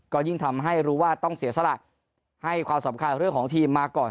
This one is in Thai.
ก็ยิ่งทำให้รู้ว่าต้องเสียสละให้ความสำคัญเรื่องของทีมมาก่อน